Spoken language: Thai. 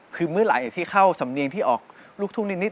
คือเมื่อไหร่ที่เข้าสำเนียงที่ออกลูกทุ่งนิด